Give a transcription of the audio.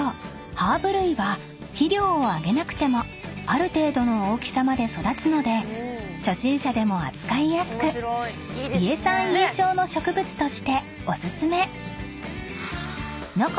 ハーブ類は肥料をあげなくてもある程度の大きさまで育つので初心者でも扱いやすく家産家消の植物としてお薦め］